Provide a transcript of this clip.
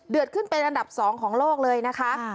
ขึ้นเป็นอันดับ๒ของโลกเลยนะคะ